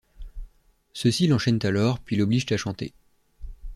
Ceux-ci l'enchaînent alors puis l'obligent à chanter.